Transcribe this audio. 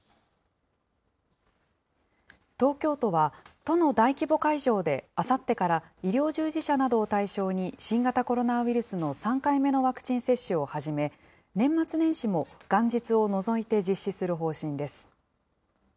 東京都は、都の大規模会場であさってから医療従事者などを対象に、新型コロナウイルスの３回目のワクチン接種を始め、年末年始も元日を除いて実施する方針です。